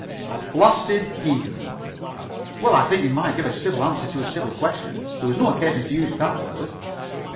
"A blasted heath." "Well, I think you might give a civil answer to a civil question. There was no occasion to use that word."